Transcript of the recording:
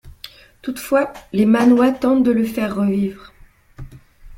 Toutefois, les Mannois tentent de le faire revivre.